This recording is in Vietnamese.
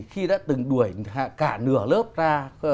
khi đã từng đuổi cả nửa lớp ra